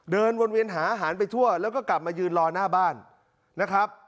เดินวนเวียนหาอาหารไปทั่วแล้วก็กลับมายืนรอหน้าบ้านนะครับ